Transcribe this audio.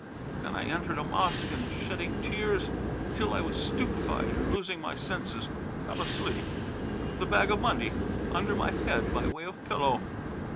Then I entered a mosque and sat shedding tears, till I was stupefied and losing my senses fell asleep, with the bag of money under my head by way of pillow.